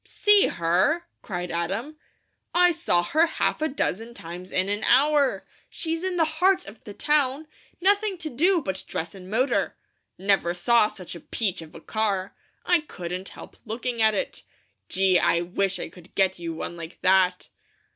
"See her!" cried Adam. "I saw her half a dozen times in an hour. She's in the heart of the town, nothing to do but dress and motor. Never saw such a peach of a car. I couldn't help looking at it. Gee, I wish I could get you one like that!"